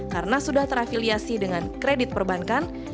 karena sudah terafiliasi dengan kredit perbankan